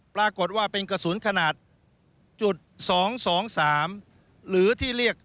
ปรากฏว่าเป็นกระสุนขนาดจุด๒๒๓หรือที่เรียก